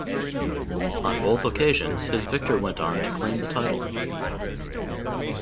On both occasions, his victor went on to claim the title.